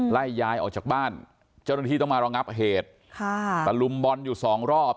ไล่ยายออกจากบ้านเจ้าหน้าที่ต้องมารองับเหตุค่ะตะลุมบอลอยู่สองรอบ